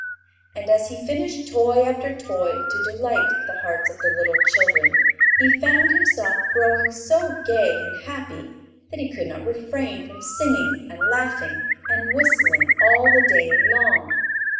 And as he finished toy after toy to delight the hearts of little children he found himself growing so gay and happy that he could not refrain from singing and laughing and whistling all the day long.